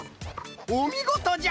おみごとじゃ！